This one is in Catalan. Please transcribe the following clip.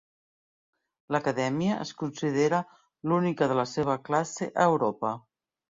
L"acadèmia es considera l"única de la seva classe a Europa.